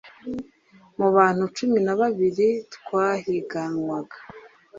Mu bantu cumi nababiri twahiganwaga